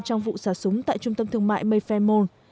trong vụ xả súng tại trung tâm thương mại mayfair mall